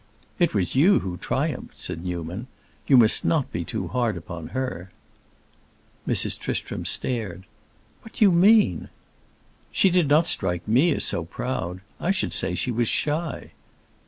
"It was you who triumphed," said Newman. "You must not be too hard upon her." Mrs. Tristram stared. "What do you mean?" "She did not strike me as so proud. I should say she was shy."